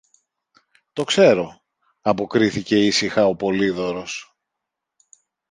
Το ξέρω, αποκρίθηκε ήσυχα ο Πολύδωρος.